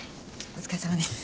お疲れさまです。